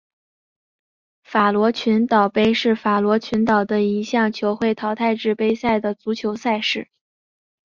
法罗群岛杯是法罗群岛的一项球会淘汰制杯赛的足球赛事。